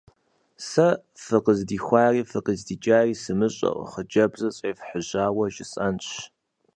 Сэ, фыкъыздихуари фыкъыздикӀари сымыщӀэу, хъыджэбзыр сфӀефхьэжьауэ жысӀэнщ.